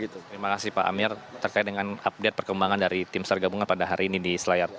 terima kasih pak amir terkait dengan update perkembangan dari tim sar gabungan pada hari ini di selayar